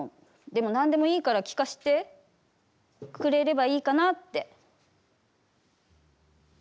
でもなんでも、いいから聞かせてくれればいいかなって。